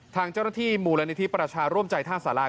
ทางเจ้าหน้าที่มูลนิธิประชาร่วมใจท่าสารา